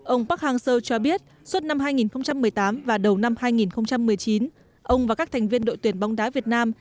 ông park hang seo cho biết suốt năm hai nghìn một mươi tám và đầu năm hai nghìn một mươi chín ông và các thành viên đội tuyển bóng đá việt nam